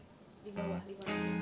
di bawah lima ratus